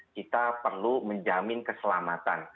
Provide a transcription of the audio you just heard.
kita perlu menjamin keselamatan